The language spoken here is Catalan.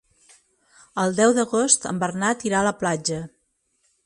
El deu d'agost en Bernat irà a la platja.